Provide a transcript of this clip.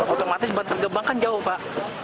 otomatis bantar gebang kan jauh pak